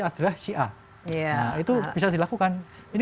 adalah si a itu bisa dilakukan ini